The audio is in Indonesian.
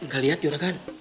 gak liat juragan